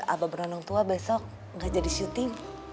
abah berondong tua besok gak jadi syuting